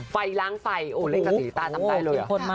ไฟล้างไฟโอ้เล่นกับสีตาจำได้เลย